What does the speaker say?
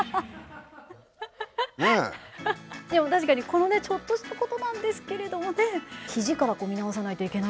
でも確かにこのねちょっとしたことなんですけれどもね肘から見直さないといけないんだなって。